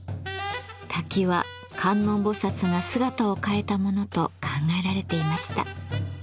滝は観音菩薩が姿を変えたものと考えられていました。